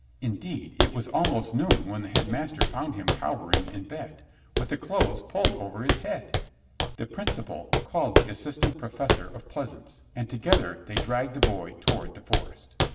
Indeed, it was almost noon when the Headmaster found him cowering in bed, with the clothes pulled over his head. The principal called the Assistant Professor of Pleasaunce, and together they dragged the boy toward the forest.